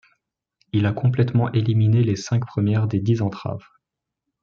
Il a complètement éliminé les cinq premières des Dix Entraves.